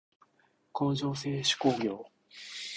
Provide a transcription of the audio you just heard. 工場制手工業